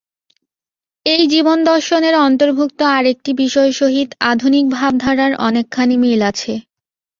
এই জীবন-দর্শনের অন্তর্ভুক্ত আর একটি বিষয়ের সহিত আধুনিক ভাবধারার অনেকখানি মিল আছে।